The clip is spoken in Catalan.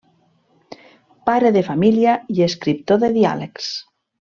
Pare de família i escriptor de diàlegs.